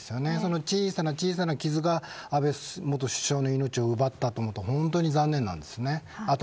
その小さな傷が安倍元首相の命を奪ったと思うと本当に残念です。